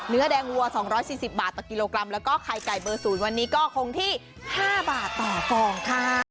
เนื้อแดงวัว๒๔๐บาทต่อกิโลกรัมแล้วก็ไข่ไก่เบอร์๐วันนี้ก็คงที่๕บาทต่อฟองค่ะ